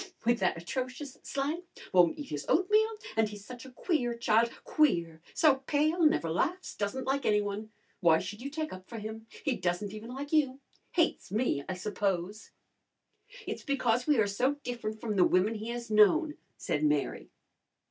"With that atrocious slang! Won't eat his oatmeal! And he's such a queer child queer! So pale, never laughs, doesn't like any one. Why should you take up for him? He doesn't even like you. Hates me, I suppose." "It's because we are so different from the women he has known," said Mary.